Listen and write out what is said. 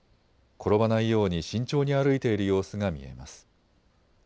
転ばないように慎重に歩いている様子が見えます。